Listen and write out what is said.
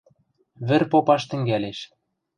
Вӹр попаш тӹнгӓлеш...